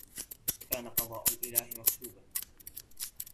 كان قضاء الإله مكتوبا